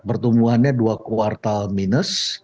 pertumbuhannya dua kuartal minus